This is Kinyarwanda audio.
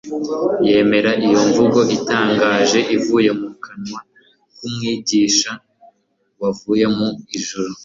Yemera iyo mvugo itangaje ivuye mu kanwa k'Umwigisha wavuye mu ijuru.